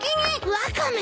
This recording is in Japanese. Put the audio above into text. ワカメ！